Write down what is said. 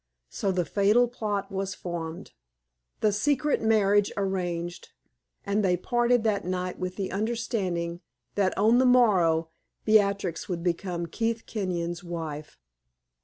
So the fatal plot was formed, the secret marriage arranged, and they parted that night with the understanding that on the morrow Beatrix would become Keith Kenyon's wife.